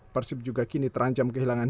persib juga kini terancam kehilangan